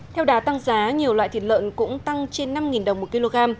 theo đà tăng giá nhiều loại thịt lợn cũng tăng trên năm đồng một kg